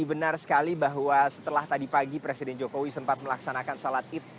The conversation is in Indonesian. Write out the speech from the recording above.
benar sekali bahwa setelah tadi pagi presiden jokowi sempat melaksanakan sholat id